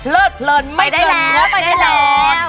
เลิศเลินไม่เกินไปได้แล้ว